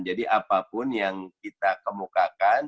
jadi apapun yang kita kemukakan